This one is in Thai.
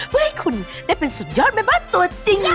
เพื่อให้คุณได้เป็นสุดยอดแม่บ้านตัวจริง